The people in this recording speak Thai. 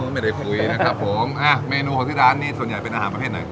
ไม่ได้คุยนะครับผมอ่ะเมนูของที่ร้านนี้ส่วนใหญ่เป็นอาหารประเภทไหน